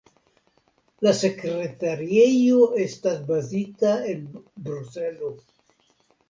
La sekretariejo estas bazita en Bruselo.